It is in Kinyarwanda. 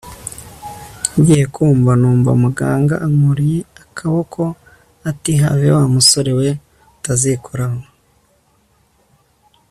ngiye kumva numva muganga ankuruye akabokoati have wamusore we utazikoraho